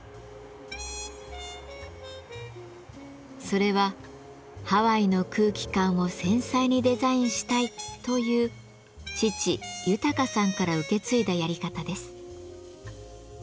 それは「ハワイの空気感を繊細にデザインしたい」という父・豊さんから受け継いだやり方です。